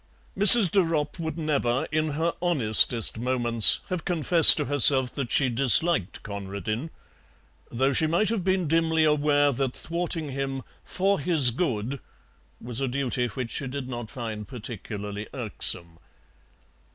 Mrs. de Ropp would never, in her honestest moments, have confessed to herself that she disliked Conradin, though she might have been dimly aware that thwarting him "for his good" was a duty which she did not find particularly irksome.